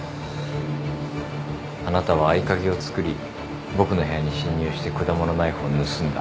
あなたは合鍵を作り僕の部屋に侵入して果物ナイフを盗んだ。